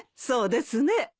そうですね。